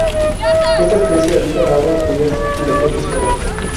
Ésta especie habita en aguas frías y de fuertes corrientes.